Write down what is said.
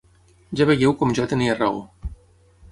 Ja veieu com jo tenia raó.